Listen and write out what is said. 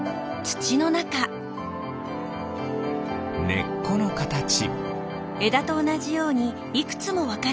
ねっこのかたち。